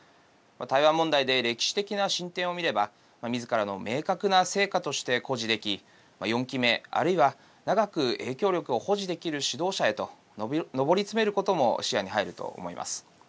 台湾問題で歴史的な進展を見ればみずからの明確な成果として誇示でき４期目あるいは長く影響力を保持できる指導者へと上りつめることも視野に入ると思います。